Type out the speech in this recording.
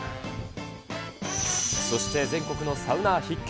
そして全国のサウナー必見。